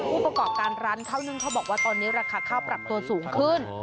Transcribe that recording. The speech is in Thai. ผู้ประกอบการร้านข้าวนึ่งเขาบอกว่าตอนนี้ราคาข้าวปรับตัวสูงขึ้น